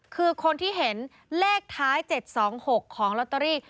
คือคนที่เห็นเลขท้าย๗๒๖ของลอตเตอรี่